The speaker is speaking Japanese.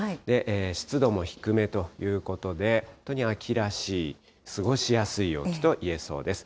湿度も低めということで、本当に秋らしい、過ごしやすい陽気と言えそうです。